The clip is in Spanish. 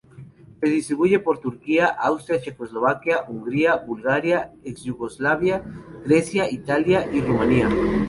Se distribuye por Turquía, Austria, Checoslovaquia, Hungría, Bulgaria, ex Yugoslavia, Grecia, Italia y Rumania.